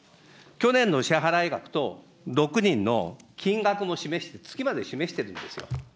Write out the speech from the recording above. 去年の支払い額と６人の金額も示して、月まで示してるんですよ。